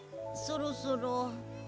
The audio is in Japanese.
そろそろ。